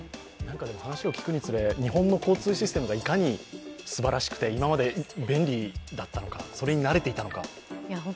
話を聞くにつれ、日本の交通システムがいかにすばらしくて今まで便利だったのか、それに慣れていたのか。